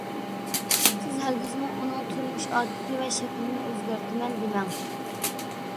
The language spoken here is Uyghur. سىز ھەرگىزمۇ ئۇنىڭ تۇرمۇش ئادىتى ۋە شەكلىنى ئۆزگەرتىمەن، دېمەڭ.